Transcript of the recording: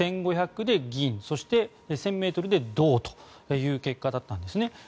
１５００ｍで銀そして、１０００ｍで銅という結果だったんですね。